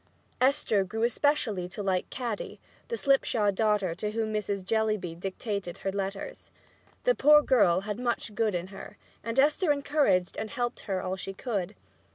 Esther grew especially to like Caddy, the slipshod daughter to whom Mrs. Jellyby dictated her letters. The poor girl had much good in her, and Esther encouraged and helped her all she could.